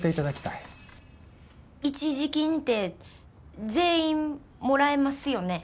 一時金って全員もらえますよね？